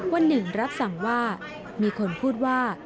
วันหนึ่งรับสั่งว่ามีคนพูดว่า